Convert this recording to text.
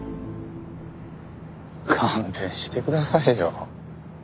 勘弁してくださいよ。